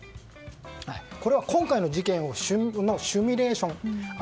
これは今回の事件のシミュレーション。